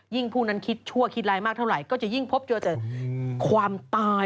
ผู้นั้นคิดชั่วคิดร้ายมากเท่าไหร่ก็จะยิ่งพบเจอแต่ความตาย